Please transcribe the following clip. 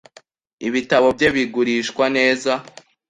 Ibitabo bye bigurishwa neza .